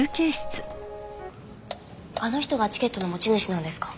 あの人がチケットの持ち主なんですか？